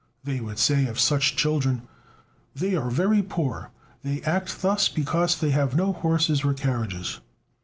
They would say of such children: "They are very poor; they act thus because they have no horses or carriages."